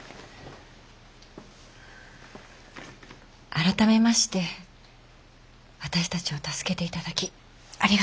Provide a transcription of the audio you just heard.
改めまして私たちを助けていただきありがとうございます。